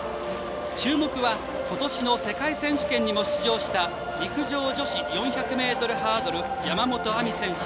注目は今年の世界選手権にも出場した陸上女子４００ｍハードル山本亜美選手。